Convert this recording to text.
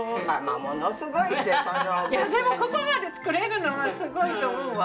でもここまで作れるのはすごいと思うわ。